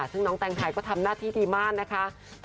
ซึ่งน้องแตงไทยก็ทำหน้าที่ดีมากนะคะ